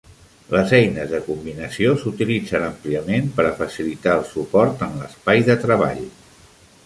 Les eines de combinació s'utilitzen àmpliament per a facilitar el suport en l'espai de treball.